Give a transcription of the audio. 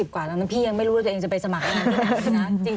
๒๐กว่าแล้วนั้นพี่ยังไม่รู้ว่าตัวเองจะไปสมัครใหม่นะ